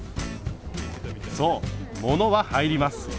そう物は入ります。